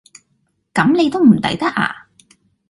咁你都唔抵得呀？